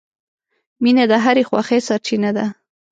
• مینه د هرې خوښۍ سرچینه ده.